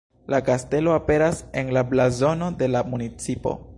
La kastelo aperas en la blazono de la municipo.